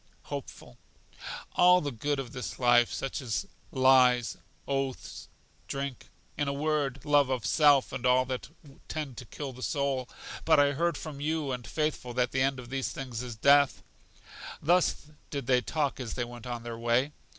Hopeful. All the good of this life; such as lies, oaths, drink; in a word, love of self and all that tend to kill the soul. But I heard from you and Faithful that the end of these things is death. Thus did they talk as they went on their way.